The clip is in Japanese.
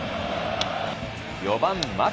４番牧。